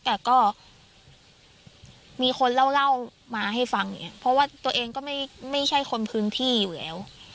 แต่ก็มีคนเล่ามาให้ฟังอย่างนี้เพราะว่าตัวเองก็ไม่ใช่คนพื้นที่อยู่แล้ว